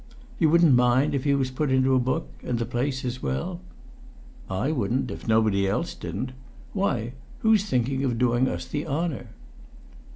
"You wouldn't mind if he was put into a book and the place as well?" "I wouldn't, if nobody else didn't! Why? Who's thinking of doing us the honour?"